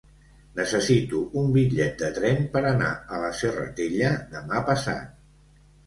Necessito un bitllet de tren per anar a la Serratella demà passat.